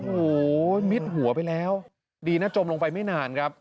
โอ้โหมิดหัวไปแล้วดีนะจมลงไปไม่นานครับ